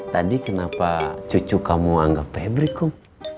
tadi kenapa cucu kamu anggap pabrik om